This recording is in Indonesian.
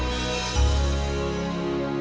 tidak ini anjingnya